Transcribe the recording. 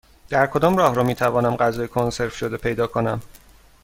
در کدام راهرو می توانم غذای کنسرو شده پیدا کنم؟